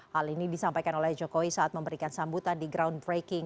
hal ini disampaikan oleh jokowi saat memberikan sambutan di groundbreaking